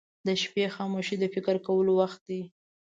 • د شپې خاموشي د فکر کولو وخت وي.